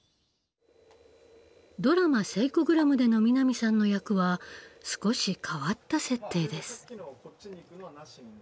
ドラマ「セイコグラム」での南さんの役は少し変わった設定です。